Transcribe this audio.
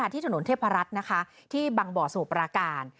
ที่ถนนเทพรัฐที่บังบ่อสมุทรปราการ